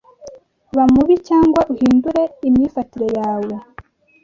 “Ba mubi Cyangwa uhindure imyifatire yawe